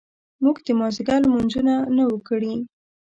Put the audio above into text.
موږ د مازیګر لمونځونه نه وو کړي.